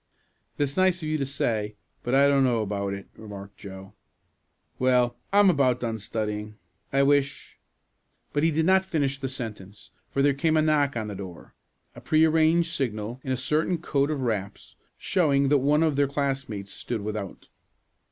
"That's nice of you to say, but I don't know about it," remarked Joe. "Well, I'm about done studying. I wish " But he did not finish the sentence, for there came a knock on the door a pre arranged signal in a certain code of raps, showing that one of their classmates stood without.